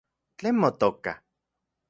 ¿Tlen motoka?